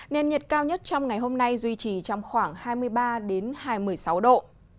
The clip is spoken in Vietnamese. nền nhiệt cao nhất trong ngày hôm nay duy trì trong khoảng hai mươi ba hai mươi sáu độ